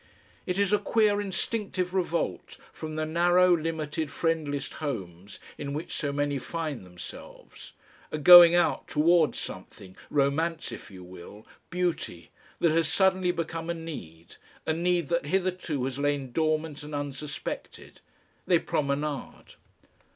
It is a queer instinctive revolt from the narrow limited friendless homes in which so many find themselves, a going out towards something, romance if you will, beauty, that has suddenly become a need a need that hitherto has lain dormant and unsuspected. They promenade.